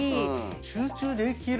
集中できる？